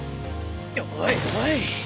おいおい！